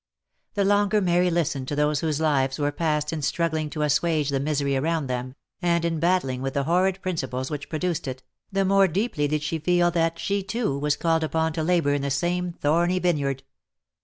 The longer Mary listened to those whose lives were past in struggling to assuage the misery around them, and in battling with the horrid principles which produced it, the more deeply did she feel that she, too, was called upon to labour in the same thorny vineyard.